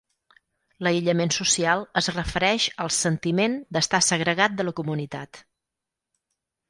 L'aïllament social es refereix al "sentiment d'estar segregat de la comunitat".